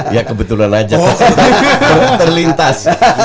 ya kebetulan saja terlintas